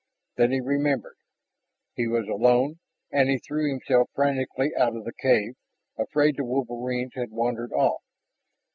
Then he remembered. He was alone and he threw himself frantically out of the cave, afraid the wolverines had wandered off.